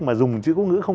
mà dùng chữ quốc ngữ